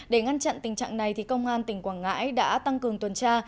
để ngăn chặn tình trạng này công an tỉnh quảng ngãi đã tăng cường tuần tra